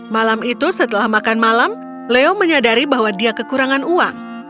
malam itu setelah makan malam leo menyadari bahwa dia kekurangan uang